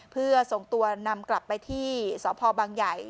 เพื่อส่งตัวนำกลับไปที่สพบางใหญ่